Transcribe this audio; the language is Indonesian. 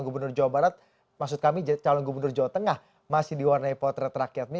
tepatlah bersama kami